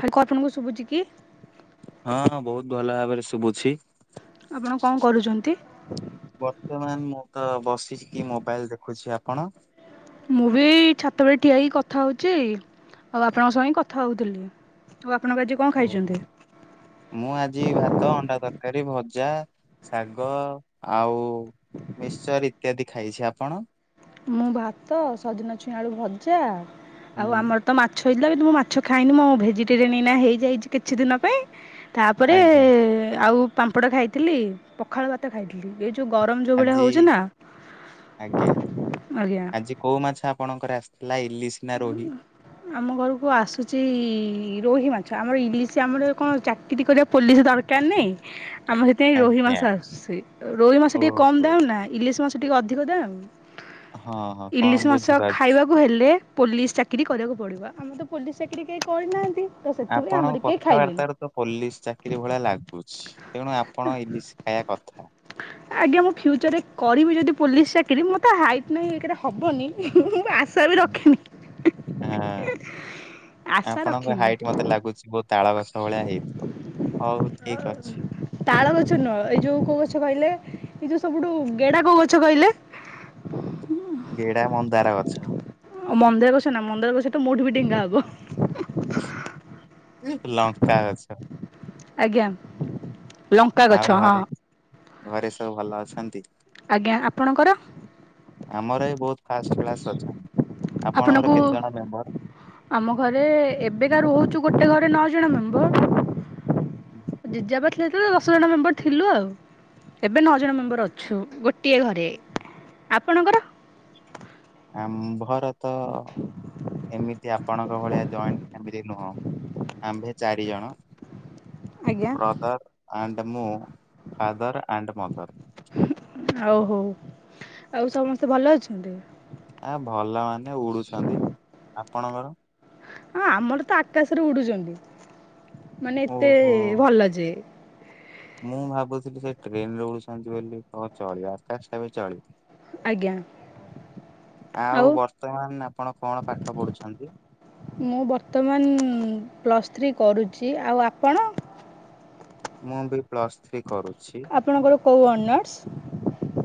ଆରେ କପଣଙ୍କୁ ଶୁଭୁଛି କି [unintelligible] ହଁ ବହୁତ ଭଲ ଭାବରେ ଶୁଭୁଛି ଆପଣ କଣ କରୁଛନ୍ତି ବର୍ତ୍ତମାନ ମୁଁ ତ ବସିଛି କି ମୋବାଇଲ ଦେଖୁଛି। ଆପଣ ମୁଁ ବି ଛାତଉପରେ ଠିଆ ହେଇକି କଥା ହଉଛି ଆଉ ଆପଣଙ୍କ ସହ ହିଁ କଥା ହଉଥିଲି ତୁ ଆପଣଙ୍କ ଆଜି କଣ ଓହୋ। ଖାଇଛନ୍ତି ମୁଁ ଆଜି ଭାତ, ଅଣ୍ଡା-ତରକାରୀ, ଭଜା, ଶାଗ ଆଉ ମିକସର ଇତ୍ୟାଦି ଖାଇଛି। ଆପଣ? ମୁଁ ଭାତ ସଜନା ଛୁଇଁଆଳୁ ଭଜା ଆଉ ହୁଁ ଆମର ତ ମାଛ ହେଇଥିଲା ବିୁ ମୁଁ ମାଛ ଖାଇନି ମୁୋ ଭେଜିଟେରିଆନ୍ ଏଇନା ହେଇଯାଇଛି କିଛି ଦିନ ପାଇଁ। ତାପରେ ଆଜ୍ଞା। ଆଉ ପାମ୍ପଡ଼ ଖାଇଥିଲି, ପଖାଳ ଭାତ ଖାଇଥିଲି ଏ ଯଉ ଯୋଉ ଗରମ ଯୋଉ ଭଳିଆ ଆଜି ହଉଛି ନା। ଆଜ୍ଞା। ଆଜ୍ଞା। ଆଜି କୋଉ ମାଛ ଆପଣଙ୍କର ଆସିଥିଲା ଇଲିସି ନା ରୋହି। ଆମ ଘରକୁ ଆସୁଛି ରୋହି ମାଛ ଆମର ଇଲିଶ ଆମର କଣ ଚାକିରି କରିବାକୁ ପୋଲିସ ଦରକାର ନାହିଁ। ଆମର ସେଥିପାଇଁ ରୋହି ମାଛ ଆଜ୍ଞା ଆସୁଛି ରୋହି ମାଛ ଟିକେ କମ ଓହୋ। ଦାମ ନା ଇଲିଶ ମାଛ ଟିକେ ଅଧିକ ଦାମ୍। ହଁ ହଁ କଣ ବୁଝିପାରୁଛି। କହିଲେ ପୋଲିସ ଚାକିରୀ କରିବାକୁ ପଡିବ ଆମର ତ ପୋଲିସ ଚାକିରି କେହି କରିନାହାନ୍ତି। ତ ସେଥିପାଇଁ ଆମର ଆପଣଙ୍କ କେହି ଖାଇବେନି କଥାବାର୍ତାରୁ ତ ପୋଲିସ ଚାକିରୀ ଭଳିଆ ଲାଗୁଛି। ତେଣୁ ଆପଣ ଇଲିସି ଖାଇବା କଥା। [inaudible] ଆଜ୍ଞା ମୁଁ ଫ୍ୟୁଚରରେ କରିବି ଯଦି ପୋଲିସ ଚାକିରି ମୋତ ତ ହାଇଟ୍ ନାହିଁ ଏକରେ ହବନି ହିଁ ହିଁ ମୁଁ ଆସ ଆଶା ବି ରଖିନି। ଆଁ। ଆଶା ଆପଣଙ୍କ ରଖିନି ହାଇଟ୍ ମତେ ଲାଗୁଛି ବହୁତ ତାଳ ଗଛ ଭଳିଆ ହେଇଥିବ। ହଉ ଠିକ ଅଛି। ତାଳ ଗଛ ନୁହଁ ଏଇ ଯୋଉ କୋଉ ଗଛ କହିଲେ, ଏଇ ଯୋଉ ସବୁଠୁ ଗେଡା କୋଉ ଗଛ କହିଲେ? ଗେଡା ମନ୍ଦାର ଗଛ। ମନ୍ଦାର ଗଛନା ମନ୍ଦାର ଗଛ ତ ମୋଠୁବି ଡେଙ୍ଗା ହବ। ଲଙ୍କା ଗଛ। ଆଜ୍ଞା। ଲଙ୍କା ଗଛ ଆଉ ହଁ ଘରେ। ଘରେ ସବୁ ଭଲ ଅଛନ୍ତି? ଆଜ୍ଞା ଆପଣଙ୍କର? ଆମର ଏ ବହୁତ ଫାଷ୍ଟ କ୍ଲାସ ଅଛନ୍ତି। ଆପଣଙ୍କର ଆପଣଙ୍କୁ କେତେ ଜଣ ମେମ୍ବର? ଆମ ଘରେ ଏବେକା ରହୁଛୁ ଗୋଟେ ଘରେ ନଅ ଜଣ ମେମ୍ବର ଜେଜେବାପା ଥିଲେ ଯେତେ ବେଳେ ଦଶ ଜଣ ମେମ୍ବର ଥିଲୁ ଆଉ। ଏବେ ନଅ ଜଣ ମେମ୍ବର ଅଛୁ ଗୋଟିଏ ଘରେ ଆପଣଙ୍କର। ଆମ୍ଭର ତ ଏମିତି ଆପଣଙ୍କ ଭଳିଆ ଜଏଣ୍ଟ ଫ୍ୟାମିଲି ନୁହଁ ଆମ୍ଭେ ଚାରି ଜଣ। ଆଜ୍ଞା। ବ୍ରଦର୍ ଆଣ୍ଡ ମୁଁ ଫାଦର୍ ଆଣ୍ଡ ମଦର୍। ଆଉ ହଉ ଆଉ ସମସ୍ତେ ଭଲ ଅଛନ୍ତି। ଆଉ ଭଲ ମାନେ ଉଡୁଛନ୍ତି ଆପଣଙ୍କର। ହଁ ଆମର ତ ଆକାଶରେ ଉଡୁଛନ୍ତି ମାନେ ଏତେ ଓହୋ ଭଲ ଯେ। ମୁଁ ଭାବୁଥିଲି ସେ ଟ୍ରେନ ରେ ଉଡୁଛନ୍ତି ବୋଲି ତ ଚଳିବା ଆକାଶ ଟାବି ଚଳିବ। ଆଜ୍ଞା ଆଉ ବର୍ତ୍ତମାନ ଆପଣ କଣ ପାଠ ପଢୁଛନ୍ତି? ମୁଁ ବର୍ତ୍ତମାନ ପ୍ଲସଥ୍ରୀ କରୁଛି ଆଉ ଆପଣ। ମୁଁ ବି ପ୍ଲସଥ୍ରୀ କରୁଛି। ଆପଣଙ୍କର କୋଉ ଅନର୍ସ?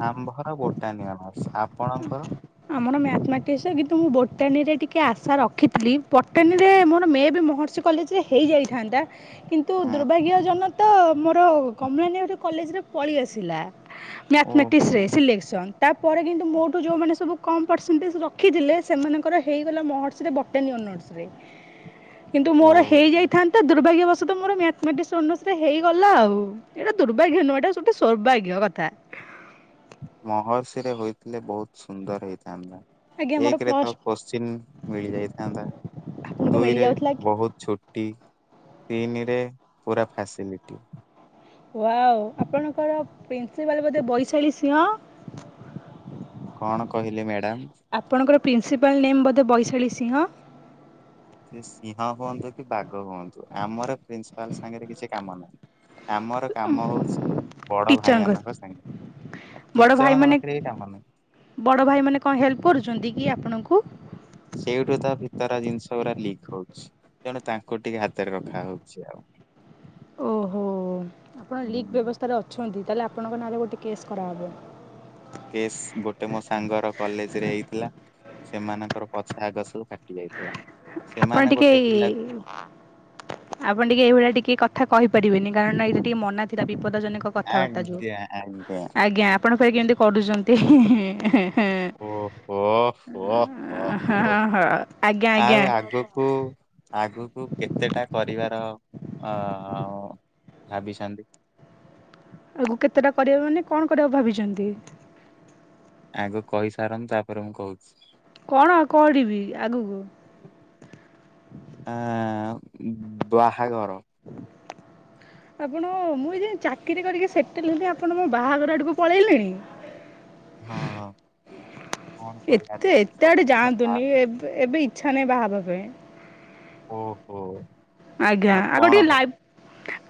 ଆମ୍ଭର ବୋଟାନି ଅନର୍ସ ଆପଣଙ୍କର। ଆମର ମ୍ୟାଥମାଟିକସ କିନ୍ତୁ ମୁଁ ବୋଟାନୀରେ ଟିକେ ଆଶା ରଖିଥିଲି ବଟାଣୀରେ ମୋର ମେବି ମହର୍ଷ ସେ କଲେଜରେ ହେଇଯାଇଥାନ୍ତା। କିନ୍ତୁ ହୁଁ ଦୁର୍ଭାଗ୍ୟ ଜନତ ମୋର କମଳାନୀ କଲେଜରେ ପଳେଇଆସିଲା। ଓହୋ ମ୍ୟାଥମେଟିକ୍ସରେ ସିଲେକ୍ସନ୍ ତାପରେ କିନ୍ତୁ ମୋଠୁ ଯୋଉଁମାନେ ସବୁ କମ୍ ପରସେଣ୍ଟେଜ ରଖିଥିଲେ ସେମାନଙ୍କର ହେଇଗଲା ମହର୍ସରେ ବଟାନି ଅନର୍ସରେ। କିନ୍ତୁ ଓ ମୋର ହେଇଯାଇଥାନ୍ତା ଦୁର୍ଭାଗ୍ୟ ବଶତଃ ମୋର ମ୍ୟାଥମେଟିସ୍ ଅନର୍ସରେ ହେଇଗଲା ଆଉ ଏରା ଦୁର୍ଭାଗ୍ୟ ନୁହଁ ଏଟା ସୋଟେ ସୋର୍ଭାଗ୍ୟ କଥା ମହର୍ଷି ରେ ହୋଇଥିଲେ ବହୁତ ସୁନ୍ଦର ହେଇଥାନ୍ତା। ଆଜ୍ଞା ମୋର ଏକ ରେ ତ ପ୍ଲସ୍ କୋଶ୍ଚିିନ୍ ମିଳିଯାଇଥାନ୍ତା ଆପଣଙ୍କୁ ଦୁଇରେ ମିଳିଯାଉଥିଲା ବହୁତ ଛୁ ଟି ତିନି ରେ ପୁରା ଫ୍ୟାସିଲିଟି। ୱାଓ ଆପଣଙ୍କର ପ୍ରିନ୍ସିପାଲ୍ ବୋଧେ ବୈଶାଳୀ ସିଂହ। କଣ କହିଲେ ମ୍ୟାଡ଼ାମ୍। ଆପଣଙ୍କର ପ୍ରିନ୍ସିପାଲ୍ ନେମ୍ ବୋଧେ ବୈଶାଳୀ ସିଂହ। ସିଏ ସିଂହ ହୁଅନ୍ତୁ କି ବାଘ ହୁଅନ୍ତୁ ଆମର ପ୍ରିନ୍ସିପାଲ୍ ସାଙ୍ଗରେ କିଛି କାମ ନାହିଁ। ଆମର କାମ ହୋଉଛି ବଡ ଭାଇ ଟିଚରଙ୍କ ମାନାନଙ୍କ ସାଙ୍ଗରେ ଆ ବଡ଼ ଟିଚରଙ୍କ ଭାଇମାନେ ପାଖରେ ବି କାମ ନାହିଁ। ବଡ଼ ଭାଇମାନେ କଣ ହେଲ୍ପ କରୁଛନ୍ତି କି ଆପଣଙ୍କୁ? ସେଇଠୁ ତ ଭିତର ଜିନିଷ ଗୁରା ଲିକ୍ ହଉଛି ତେଣୁ ତାଙ୍କୁ ଟିକେ ହାତରେ ରଖା ହଉଛି ଆଉ। ଓହୋ ଆପଣ ଲିକ୍ ହୁଁ। ବ୍ୟବସ୍ଥାରେ ଅଛନ୍ତି ତାହେଲେ ଆପଣଙ୍କ ନାଁରେ ଗୋଟେ କେସ୍ କରାହବ। କେସ୍ ଗୋଟେ ମୋ ସାଙ୍ଗର କଲେଜ ରେ ହେଇଥିଲା। ସେମାନଙ୍କର ପଛ ଆଗ ସବୁ ଫାଟି ଯାଇଥିଲା। ଆପଣ ସେମାନେ ଟିକେ ଗୋଟେ ଏ ପିଲା ଆପଣ ଟିକେ ଏଇଭଳିଆ ଟିକେ କଥା କହି ପାରିବେନି କାରଣ ଏଇଟା ଟିକେ ମନା ଥିଲା ବିପଦଜନକ କଥାବାର୍ତ୍ତା ଯୋଉ ଆଜ୍ଞା ଆଜ୍ଞା ଆଜ୍ଞା ଆପଣ ଫେର୍ କେମିତି କରୁଛନ୍ତି ହେଁ ହେଁ ହେଁ ଓହୋ ହୋ ହ। ହଉ ହଁ ଆଜ୍ଞା ଆଜ୍ଞା ଆଉ ଆଗକୁ ଆଗକୁ କେତେଟା କରିବାର ଅ ଭାବିଛନ୍ତି। ଆଗକୁ କେତେଟା କରିବା ମାନେ କଣ କରିବାକୁ ଭାବିଛନ୍ତି। ଆଗ କହିସାରନ୍ତୁ ତାପରେ ମୁଁ କହୁଛି। କଣ ଆଉ କରିବି ଆଗକୁ। ଆଁ ବାହାଘର। ଆପଣ ମୁଁ ଏ ଯାଏ ଚାକିରି କରିକି ସେଟେଲ୍ ହେଲି ଆପଣ ମୋ ବାହାଘର ଆଡକୁ ପଳେଇଲେଣି। ହଁ କଣ କରିବା ଏତେ ଆଜିକାଲି ଏତେ ସବୁ ଆଡେ ଜିନିଷ ଯାଆନ୍ତୁନି ଏବ୍ ଏବେ ଇଚ୍ଛା ନାହିଁ ବାହାହବା ପାଇଁ। ଓ ହୋ। ଆଜ୍ଞା ଆଉ ଗୋଟିଏ ଲାଇ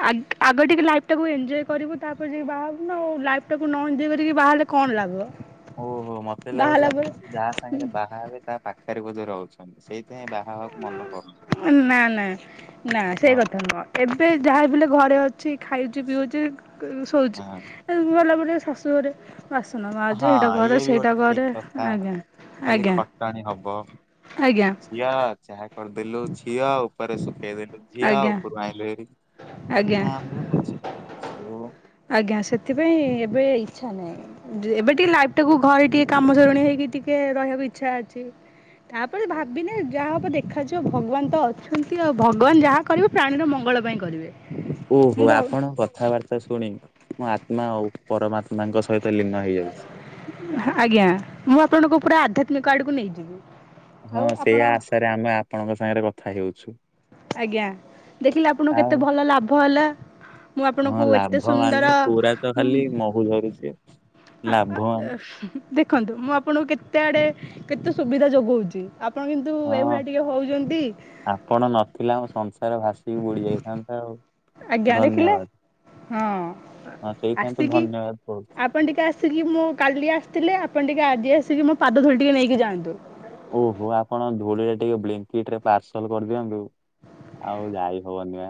ଆ ଆଗ ଟିକେ ଲାଇଫ୍ ଟାକୁ ଏଞ୍ଜୟ୍ କରିବୁ ତାପରେ ଯାଇ ବାହାହବୁ ନା ଆଉ ଲାଇଫଟାକୁ ନ ଏଞ୍ଜୟ୍ କରିକି ବାହାହେଲେ କଣ ଲାଗିବ ଓହୋ ମତେ ଲାଗୁଛି ଆପଣ ଯୋଉ ଯାହା ସାଙ୍ଗରେ ବାହାହେବେ ତା ପାଖରେ ବୋଧେ ରହୁଛନ୍ତି ସେଇଥିପାଇଁ ବାହା ହେବାକୁ ମନ କରୁନା ନା ନା ନା ସେ କଥା ନୁହଁ ଏବେ ଯାହାବି ହେଲେ ଘରେ ଅଛି ଖାଉଛି ପିଉଛି ସୋଉଚୁ ହଁ ଏ ଗଲା ପରେ ଶାଶୁ ଘରେ ବାସନ ମାଜେ ଏଇଟା ହଁ କରେ ଇଏ ବି ସେଇଟା ଗୋଟେ ଠିକ କରେ କଥା ଆଜ୍ଞା ଖାଲି ଆଜ୍ଞା ଖଟଣି ହବ ଆଜ୍ଞା ଝିଅ ଚାହା କରିଦେଲୁ ଝିଅ ଉପରେ ଶୁଖେଇଦେଲୁ ଝିଅ ଆଜ୍ଞା ଉପରୁ ଆଇଁଲୁ ହେରି ଆଜ୍ଞା ହଁ ମୁଁ ବୁଝିପାରୁଛି। ଆଜ୍ଞା ସେଥିପାଇଁ ଏବେ ଇଚ୍ଛା ନାହିଁ। ଏବେ ଟିକେ ଲାଇଫ ଟାକୁ ଘରେ ଟିକେ କାମ ଚୋରଣୀ ହେଇକି ଟିକେ ରହିବାକୁ ଇଚ୍ଛା ଅଛି ତାପରେ ହଉ। ଭାବିନେ ଯାହା ହବ ଦେଖାଯିବ ଭଗବାନ ତ ଅଛନ୍ତି ଆଉ ଭଗବାନ୍ ଯାହା କରିବେ ପ୍ରାଣୀର ମଙ୍ଗଳ ପାଇଁ କରିବେ। ଓହୋ ମୁଁ ଆପଣ କଥାବାର୍ତ୍ତା ଶୁଣି ମୋ ଆତ୍ମା ଆଉ ପରମାତ୍ମାଙ୍କ ସହିତ ଲୀନ ହେ ହେଇଯାଉଛି ଆଜ୍ଞା ମୁଁ ଆପଣଙ୍କ ପୁରା ଆଧ୍ୟାତ୍ମିକ ଆାଡ଼କୁ ନେଇଯିବି। ହଁ ଆଉ ସେଇ ଆପଣ ଆଶାରେ ଆମେ ଆପଣଙ୍କ ସାଙ୍ଗରେ କଥା ହେଉଛୁ। ଆଜ୍ଞା ଦେଖିଲେ ଆପଣଙ୍କୁ ଆଉ କେତେ ଭଲ ଲାଭ ହେଲା। ମୁଁ ଆପଣଙ୍କୁ ହଁ ଏତେ ଲାଭ ସୁନ୍ଦର ମାନେ ପୁରାତ ଖାଲି ମହୁ ଝରୁଛି ଆଉ ଦେଖନ୍ତୁ ମୁଁ ଆପଣଙ୍କୁ କେତେ ଆଡ଼େ କେତେ ସୁବିଧା ଯୋଗଉଚି ଆ ଆପଣ କିନ୍ତୁ ହଁ ଏଇଭଳିଆ ଟିକେ ହଉଛନ୍ତି। ଆପଣ ନଥିଲେ ଆମ ସଂସାର ଭାସିକି ବୁଡି଼ ଯାଇଥାନ୍ତା ଆଉ। ଆଜ୍ଞା ଦେଖିଲେ ଧନ୍ୟବାଦ ହଁ ହଁ ସେଇପାଇଁ ତ ଆସିକି ଧନ୍ୟବାଦ ବହୁତ୍ ଆପଣ ଟିକେ ଆସିକି ମୁଁ କାଲି ଆସିଥିଲେ ଆପଣ ଟିକେ ଆଜି ଆସିକି ମୋ ପାଦ ଧଳି ଟିକେ ନେଇକି ଯାଆନ୍ତୁ। ଓହୋ ଆପଣ ଧୂଳିରେ ଟିକେ ବ୍ଲାଙ୍କିଟ୍ ରେ ପାର୍ସଲ୍ କରିଦିଅନ୍ତୁ। ଆଉ ଯାଇ ହବ ନି ପା।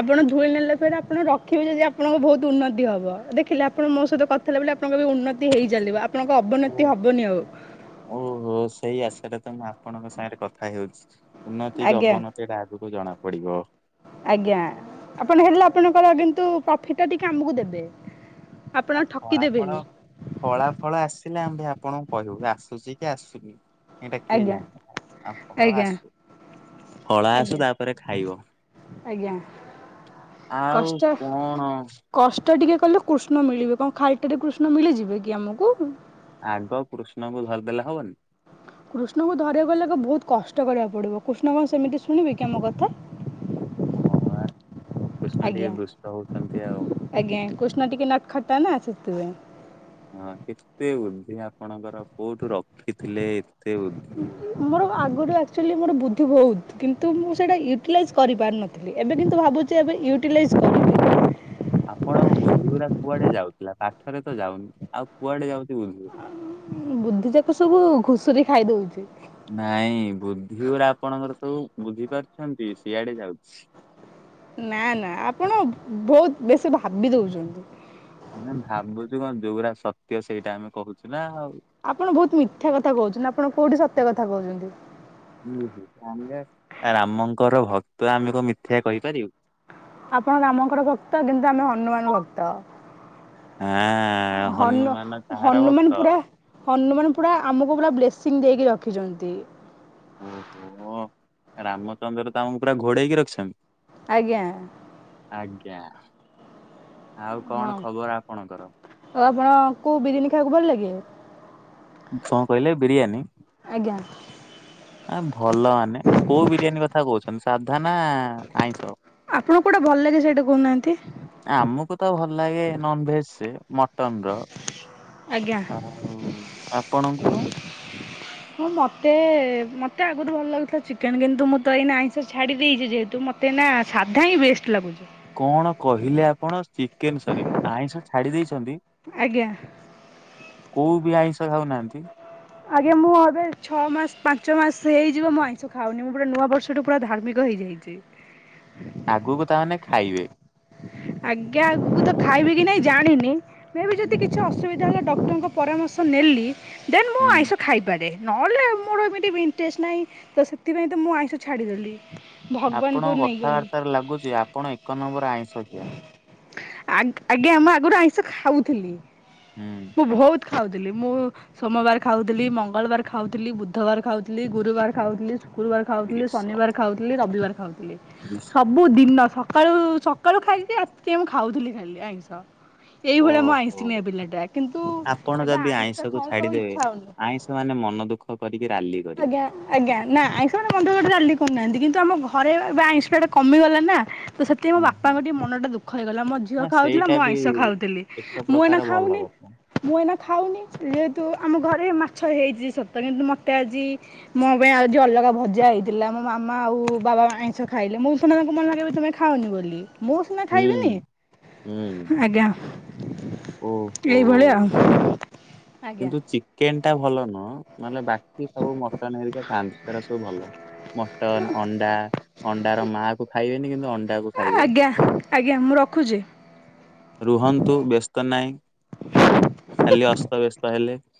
ଆପଣ ଧୂଳି ନେଲେ ପରେ ଆପଣ ରଖିବେ ଯଦି ଆପଣଙ୍କ ବହୁତ ଉନ୍ନତି ହବ ଦେଖିଲେ ଆପ ଆପଣ ମୋ ସହିତ କଥା ହେଲାବେଳେ ଆପଣଙ୍କ ଏ ଉନ୍ନତି ହେଇଚନ୍ତି ବା ଆପଣଙ୍କ ଅବନତି ଓ ହବନି ଆଉ। ଓହୋ ସେଇ ଆଶାଟା ତ ମୁଁ ଆପଣଙ୍କ ସାଙ୍ଗରେ କଥା ହେଉଛି ଉନ୍ନତି କି ଆଜ୍ଞା ଅବନତି। ସେଇଟା ଆଗକୁ ଜଣା ପଡି଼ବ। ଆଜ୍ଞା ଆପଣ ହେଲେ ଆପଣଙ୍କ କିନ୍ତୁ ପ୍ରଫିଟ୍ ଟା ଟିକେ ଆମକୁ ଦେବେ। ଆପଣ ହଁ ଠକି ଫଳା ଫଳ ଦେବେନି ଫଳା ଫଳ ଆସିଲା ଆମ ବି ଆପଣଙ୍କୁ କହିବୁ ଆସୁଛି କି ଆସୁନି। ଏଇଟା କିଏ ଆଜ୍ଞା ଜାଣିବ ଆଉ ଫଳ ଆଜ୍ଞା ଆସୁ ଫଳା ଆସୁ ଆଜ୍ଞା ତାପରେ ଖାଇବ। ଆଜ୍ଞା। ଆଉ କଷ୍ଟ କଣ କଷ୍ଟ ଟିକେ କଲେ କୃଷ୍ଣ ମିଳିବେ କଣ ଖାଲିଟାରେ କୃଷ୍ଣ ମିଳିଯିବେ କି ଆମକୁ? ଆଗ କୃଷ୍ଣଙ୍କୁ ଧରିଦେଲେ ହବନି। କୃଷ୍ଣଙ୍କୁ ଧରିବାକୁ ଗଲେ ବହୁତ୍ କଷ୍ଟ କରିବାକୁ ପଡି଼ବ କୃଷ୍ଣ କଣ ସେମିତି ଶୁଣିବି କଣ ସେମିତି ଶୁଣିବେକି ଆମ କଥା ହଁ ପା କୃଷ୍ଣ ଆଜ୍ଞା ଟିକେ ଦୁଷ୍ଟ ହଉଛନ୍ତି ଆଉ ଆଜ୍ଞା କୃଷ୍ଣ ଟିକେ ନଟ୍ ଖଟା ନା ସେଥିପାଇଁ। ହଁ କେତେ ବୁଦ୍ଧି ଆପଣଙ୍କର କୋଉଠୁ ରଖିଥିଲେ ଏତେ ବୁଦ୍ଧି। ମୋର ଆଗରୁ ଆକ୍ଚୁଆଲି ମୋର ବୁଦ୍ଧି ବହୁତ୍ କିନ୍ତୁ ମୁଁ ସେଇଟା ୟୁଟିଲାଇଜ୍ କରିପାରିନଥିଲି। ଏବେ କିନ୍ତୁ ଭାବୁଛି ଏବେ ୟୁଟିଲାଇଜ୍ କଲି ଆପଣଙ୍କ ବୁଦ୍ଧିଗୁଡା କୁଆଡ଼େ ଯାଉଥିଲା ପାଠରେ ତ ଯାଉନି ଆଉ କୁଆଡେ ଯାଉଛି ବୁଦ୍ଧିଗୁଡ଼ା। ବୁଦ୍ଧି ଯାକ ସବୁ ଘୁଷୁରୀ ଖାଇ ଦଉଛି। ନାଇଁ ବୁଦ୍ଧି ଉରା ଆପଣଙ୍କର ସବୁ ବୁଝି ପାରୁଛନ୍ତି ସିଆଡ଼େ ଯାଉଛି। ନା ନା ଆପଣ ବହୁତ ବେଶୀ ଭାବି ଦଉଛନ୍ତି। ନା ଭାବୁଛୁ କଣ ଯୋଉଗଡା ସତ୍ୟ ସେଇଟା ଆମେ କହୁଛୁ ନା ଆଉ। ଆପଣ ବହୁତ ମିଥ୍ୟା କଥା କହୁଛନ୍ତି। ଆପଣ କୋଉଠି ସତ୍ୟ କଥା କହୁଛନ୍ତି। ଆମ ରାମଙ୍କର ଭକ୍ତ ଆମେ କ ମିଥ୍ୟା କହିପାରିବୁ। ଆପଣ ରାମଙ୍କର ଭକ୍ତ କିନ୍ତୁ ଆମେ ହନୁମାନ ଭକ୍ତ। ଆଁ ହନୁ ହନୁମାନ କାହାର ଭକ୍ତ ହନୁମାନପୁରା ହନୁମାନ ପୁରା ଆମକୁ ପୁରା ବ୍ଲେସିଂ ଦେଇକି ରଖିଛନ୍ତି। ଓହୋ ରାମଚନ୍ଦ୍ର ତ ଆମକୁ ପୁରା ଘୋଡେଇକି ରଖିଛନ୍ତି। ଆଜ୍ଞା। ଆଜ୍ଞା ଆଉ କଣ ହଁ ଖବର ଆପଣଙ୍କର? ଆଉ ଆପଣଙ୍କୁ ବିରିମିଖାକୁ ଭଲ ଲାଗେ। କଣ କହିଲେ ବିରିୟାନୀ। ଆଜ୍ଞା। ଆ ଭଲ ମାନେ କୋଉ ବିରିୟାନୀ କଥା କହୁଛନ୍ତି ସାଧା ନା ଆଇଁଷ? ଆପଣ କଉଟା ଭଲ ଲାଗେ ସେଇଟା କହୁନାହାନ୍ତି। ଆମକୁ ତ ଭଲ ଲାଗେ ନନଭେଜ ମଟନର। ଆଜ୍ଞା। ଆଉ ଆପଣଙ୍କୁ? ହଁ ମୋତେ ମୋତେ ଆଗରୁ ଭଲ ଲାଗୁଥିଲା ଚିକେନ୍ କିନ୍ତୁ ମୁଁ ତ ଏଇନ ଆଇଁଷ ଛାଡ଼ି ଦେଇଛି ଯେହେତୁ ମୋତେ ମତେ ନା ସାଧା ହିଁ ବେଷ୍ଟ ଲାଗୁଛି। କଣ କହିଲେ ଆପଣ ଚିକେନ ସରି ଆଇଁଷ ଛାଡି ଦେଇଛନ୍ତି? ଆଜ୍ଞା। କୋଉ ବି ଆଇଁଷ ଖାଉନାହାନ୍ତି? ଆଜ୍ଞା ମୁଁ ଏବେ ଛଅ ମାସ ପାଞ୍ଚ ମାସ ହେଇଯିବ ମୁଁ ଆଇଁଷ ଖାଉନି। ମୁଁ ପୁରେ ନୂଆ ବର୍ଷ ପୁରା ଧାର୍ମିକ ହେଇଯାଇଛି। ଆଗକୁ ତାମାନେ ଖାଇବେ? ଆଜ୍ଞାକୁ ତ ଖାଇବି କି ନାଇଁ ଜାଣିନି। ମେ ବି ଯଦି ହୁଁ କିଛି ଅସୁବିଧା ହେଲା ଡକ୍ଟରଙ୍କ ପରାମର୍ଶ ନେଲି ଦେନ୍ ମୁଁ ହୁଁ। ଆଇଁଷ ଖାଇବି। ପାରେ ନହଲେ ମୋର ଏମିତି ଇଣ୍ଟରେଷ୍ଟ୍ ନାଇଁ ତ ସେଥିପାଇଁ ମୁଁ ଆଇଁଷ ଛାଡିଦେଲି। ଆପଣଙ୍କ କଥାବାର୍ତ୍ତା ରୁ ଲାଗୁଛି ଆପଣ ଏକ ନମ୍ବର ଆଇଁଷ ଖିଆ। ଆ ଆଜ୍ଞା ଆମ ଆଗରୁ ଆଇଁଷ ଖାଉଥିଲି। ହୁଁ। ମୁଁ ବହୁତ ଖାଉଥିଲି ମୁଁ ସୋମବାର ଖାଉଥିଲି ମଙ୍ଗଳବାର ଖାଉଥିଲି ବୁଧବାର ଖାଉଥିଲି ଗୁରୁବାର ଖାଉଥିଲି। ଶୁକ୍ରୁବାର ଖାଉଥିଲି ଗ୍ରୀଷ ଶନିବାର ଖାଉଥିଲି ରବିବାର ଖାଉଥିଲି ଗ୍ରୀଷ- ସବୁ ଦିନ ସକାଳୁ ସ ସକାଳୁ‌ ଖାଇବି ଯେ ରାତି ଯାଏଁ ମୁଁ ଖାଉଥିଲି ଖାଲି ଆଇଁସ। ଏଇଭଳିଆ ମୁଁ ଓହୋ ଆଇଁଷିଣିଆ ପିଲାଟା କିନ୍ତୁ ଆପଣ ଏବେ ଯଦି ଆଇଁଷା ଆଇଁଷକୁ ଖାଇବାକୁ ଆଉ ଛାଡିଦେବେ ଇଚ୍ଛା ହଉନି। ଆଇଁଷ ମାନେ ମନ ଦୁଃଖ କରିକି ରାଲି କରିବେ। ଆଜ୍ଞା। ଆଜ୍ଞା ନା ଆଇଁଷ ମାନେ ମନଦୁଃଖ କରି ରାଲି କରୁନାହାନ୍ତି କିନ୍ତୁ ଆମ ଘରେ ଏବେ ଆଇଁଷ ଖାଇବା ଟା କମିଗଲାଣି ନା। ତ ସେଥିପାଇଁ ମୋ ହୁଁ ହୁଁ ବାପାଙ୍କ ଟିକେ ମନ ଟା ଦୁଃଖ ହେଇଗଲା। ମୋ ଝିଅ ହଁ ଖାଉଥିଲା ସେଇଟା ମୁଁ ବି ଆଇଁଷ ଖାଉଥିଲି ଏକ ମୁଁ ଏଇନା ପ୍ରକାର ଭଲ ଖାଉନି। କଥା। ମୁଁ ଏଇନା ଖାଉନି ଯେହେତୁ ଆମ ଘରେ ମାଛ ହେଇଛି ସତ କିନ୍ତୁ ମ ମତେ ଆଜି ମୋ ପାଇଁ ଆଜି ଅଲଗା ଭଜା ହେଇଥିଲା ମୋ ମାମା ଆଉ ବାବା ଆଇଁଷ ଖାଇଲେ ମୁଁ ସିନା ତାଙ୍କୁ ମନା କରିଚି ତମେ ଖାଅନି ବୋଲି। ମୁଁ ସିନା ହୁଁ ଖାଇବିନି ହୁଁ ଆଜ୍ଞା। ଓହୋ। ଏଇଭଳିଆ ଆଉ ଆଜ୍ଞା। କେନ୍ ଟା ଭଲ ନୁହଁ ନହେଲେ ବାକି ସବୁ ମଟନ୍ ହେରିକା ହେରିକା ଖାଆନ୍ତି ସେରା ସବୁ ଭଲ। ମଟନ ଅଣ୍ଡା ଅଣ୍ଡାର ମା କୁ ଖାଇବେନି କିନ୍ତୁ ଅଣ୍ଡା କୁ ଖାଇବେ। ଆଜ୍ଞା ଆଜ୍ଞା ମୁଁ ରଖୁଛି। ରୁହନ୍ତୁ ବ୍ୟସ୍ତ ନାହିଁ। ଖାଲି ଅସ୍ତବ୍ୟସ୍ତ ହେଲେ।